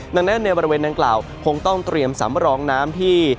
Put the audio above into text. ดังนั้นในบริเวณดังกล่าวคงต้องเตรียมสำรองน้ำที่